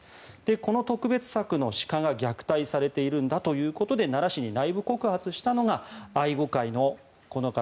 この特別柵の鹿が虐待されているんだということで奈良市に内部告発したのが愛護会のこの方